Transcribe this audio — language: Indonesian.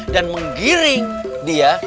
dan menggiring dia